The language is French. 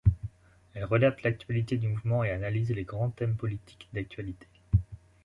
Elle relate l'actualité du mouvement et analyse les grands thèmes politiques d'actualité.